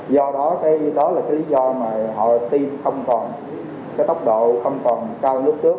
do đó cái đó là cái lý do mà họ tiêm không còn cái tốc độ không còn cao nước trước